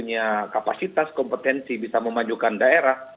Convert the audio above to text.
dan yang dianggap punya kapasitas kompetensi bisa memajukan daerah